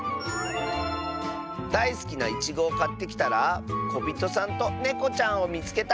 「だいすきないちごをかってきたらこびとさんとねこちゃんをみつけた！」。